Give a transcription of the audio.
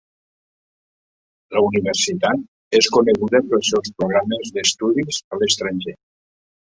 La universitat és coneguda pels seus programes d"estudis a l"estranger.